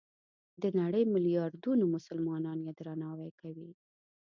د نړۍ ملیاردونو مسلمانان یې درناوی کوي.